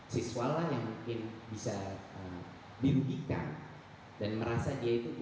siswa lah yang mungkin bisa dirugikan dan merasa dia itu